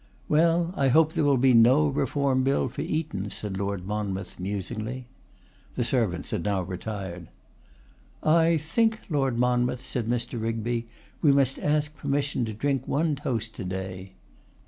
'Well, I hope there will be no Reform Bill for Eton,' said Lord Monmouth, musingly. The servants had now retired. 'I think, Lord Monmouth,' said Mr. Rigby, 'we must ask permission to drink one toast to day.